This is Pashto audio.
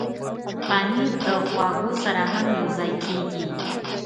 پنېر د خواږو سره هم یوځای کېږي.